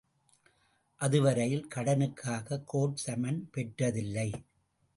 அது வரையில் கடனுக்காக கோர்ட் சம்மன் பெற்றதில்லை.